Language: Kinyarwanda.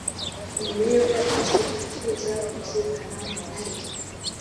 imibereho ya kristu twifuza kuzirikana mu byanditswe